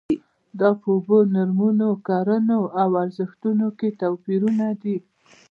دا په اوبو، نورمونو، کړنو او ارزښتونو کې توپیرونه دي.